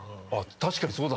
確かにそうだ。